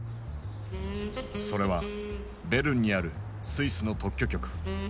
それはベルンにあるスイスの特許局。